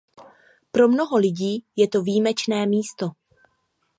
Pro mnoho lidí je to výjimečné místo.